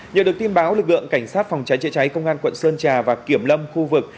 nhờ được tin báo lực lượng cảnh sát phòng cháy chữa cháy công an quận sơn trà và kiểm lâm khu vực